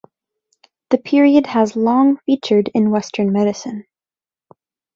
The period has long featured in western medicine.